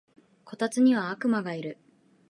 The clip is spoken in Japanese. こたつには悪魔がいる